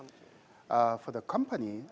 bagi perusahaan ini